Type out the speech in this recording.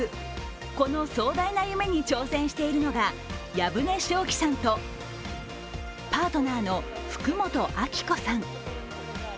この壮大な夢に挑戦しているのが、藪根頌己さんとパートナーの福本晃子さん。